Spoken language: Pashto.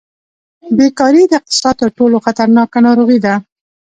بېکاري د اقتصاد تر ټولو خطرناکه ناروغي ده.